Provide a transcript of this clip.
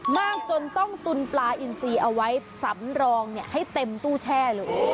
มากจนต้องตุนปลาอินซีเอาไว้สำรองให้เต็มตู้แช่เลย